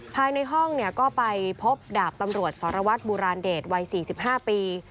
ภายในห้องก็ไปพบดาบตำรวจสรวัตรบูราณเดชวัย๔๕ปี